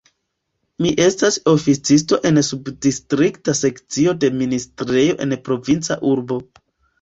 Mi estas oficisto en subdistrikta sekcio de ministrejo en provinca urbo.